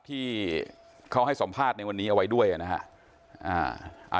ที่เขาให้สัมภาษณ์ในวันนี้เอาไว้ด้วยนะฮะ